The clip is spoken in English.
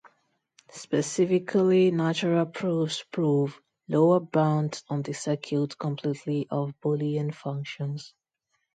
Specifically, natural proofs prove lower bounds on the circuit complexity of boolean functions.